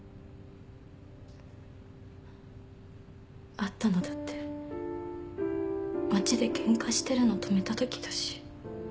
会ったのだって街でケンカしてるの止めたときだし。